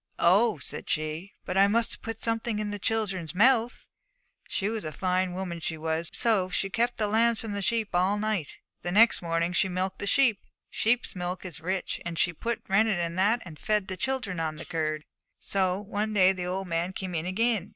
"Oh," said she, "but I must put something in the children's mouths!" She was a fine woman, she was. So she kept the lambs from the sheep all night, and next morning she milked the sheep. Sheep's milk is rich, and she put rennet in that, and fed the children on the curd. 'So one day the old man came in again.